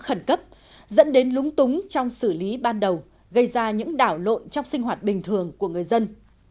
khẩn cấp dẫn đến lúng túng trong xử lý ban đầu gây ra những đảo lộn trong sinh hoạt bình thường của người dân